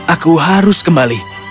aku harus kembali